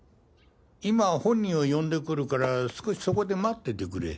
今本人を呼んでくるから少しそこで待っててくれ。